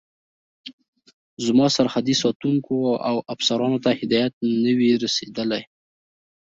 زما سرحدي ساتونکو او افسرانو ته هدایت نه وي رسېدلی.